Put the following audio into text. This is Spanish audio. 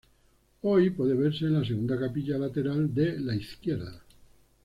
Hoy puede verse en la segunda capilla lateral de la izquierda.